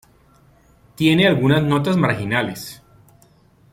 Tiene algunas notas marginales.